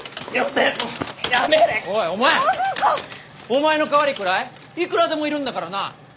お前の代わりくらいいくらでもいるんだからな！